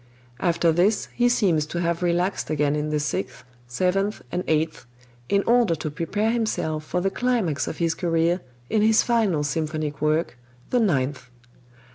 After this he seems to have relaxed again in the Sixth, Seventh and Eighth, in order to prepare himself for the climax of his career in his final symphonic work, the Ninth.